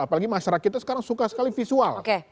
apalagi masyarakat sekarang suka sekali visual